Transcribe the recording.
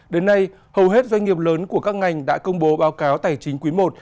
đến nay hầu hết doanh nghiệp lớn của các ngành đã công bố báo cáo tài chính quý i